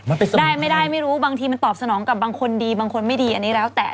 มันไปสอบได้ไม่ได้ไม่รู้บางทีมันตอบสนองกับบางคนดีบางคนไม่ดีอันนี้แล้วแต่